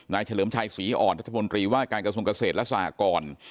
เฉลิมชัยศรีอ่อนรัฐมนตรีว่าการกระทรวงเกษตรและสหกร